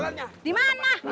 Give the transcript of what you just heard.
nah kita pindah jualannya